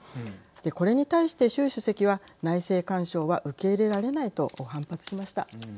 これに対して習主席は内政干渉は受け入れられないと反発しました。